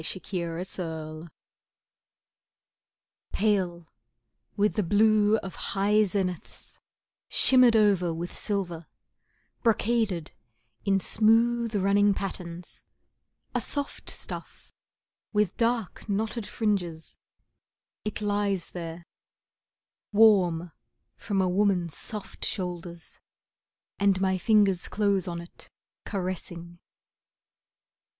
The Blue Scarf Pale, with the blue of high zeniths, shimmered over with silver, brocaded In smooth, running patterns, a soft stuff, with dark knotted fringes, it lies there, Warm from a woman's soft shoulders, and my fingers close on it, caressing.